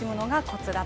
こちら。